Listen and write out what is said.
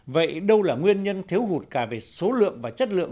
vậy đâu là nguyên nhân thiếu hụt cả về số lượng và chất lượng